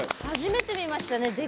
初めて見ましたね。